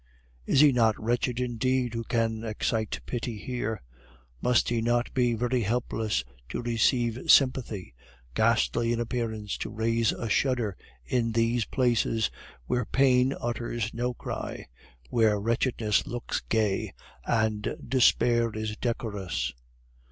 Is he not wretched indeed who can excite pity here? Must he not be very helpless to receive sympathy, ghastly in appearance to raise a shudder in these places, where pain utters no cry, where wretchedness looks gay, and despair is decorous?